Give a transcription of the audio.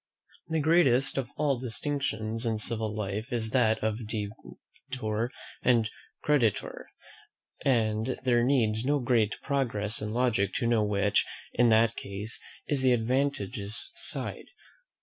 The greatest of all distinctions in civil life is that of debtor and creditor; and there needs no great progress in logic to know which, in that case, is the advantageous side.